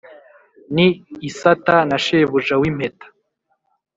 ni isata na shebuja w’impeta